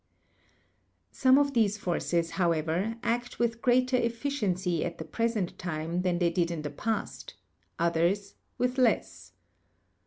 '* Some of these forces, however act with greater efficiency at 96 DIASTROPHISM gy the present time than they did in the past, others with less.